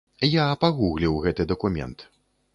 Я пагугліў гэты дакумент.